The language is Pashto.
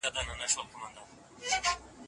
که تاسي ډېر ستړي یاست، نو ګرمو اوبو سره غسل وکړئ.